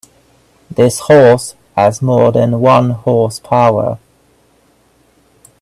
This horse has more than one horse power.